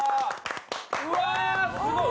うわすごい！